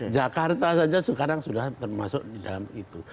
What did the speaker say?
jakarta saja sekarang sudah termasuk di dalam itu